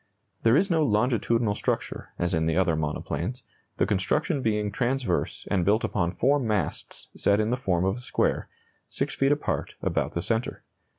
There is no longitudinal structure, as in the other monoplanes, the construction being transverse and built upon four masts set in the form of a square, 6 feet apart, about the centre.